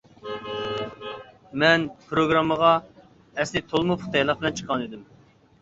مەن پىروگراممىغا ئەسلى تولىمۇ پۇختا تەييارلىق بىلەن چىققانىدىم.